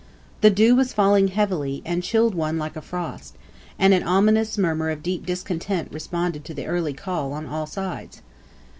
The dew was falling heavily, and chilled one like frost; and an ominous murmur of deep discontent responded to the early call on all sides.